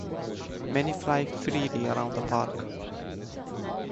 Many fly freely around the park.